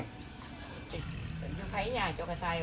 สุดท้ายวันนี้แม่งแท่แดดห้อนจะได้แห้งหลาย